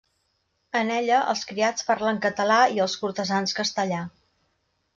En ella els criats parlen català i els cortesans castellà.